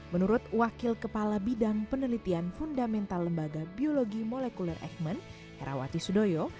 menurut wakil kepala bidang penelitian fundamental lembaga biologi molekuler eichmann herawati sudoyo